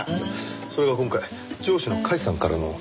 それが今回上司の甲斐さんからの命令があって。